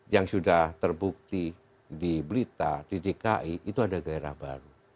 yang sudah terbukti di blitar di dki itu ada gairah baru